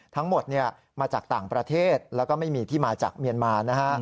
ทั้งหมดมาจากต่างประเทศแล้วก็ไม่มีที่มาจากเมียนมานะฮะ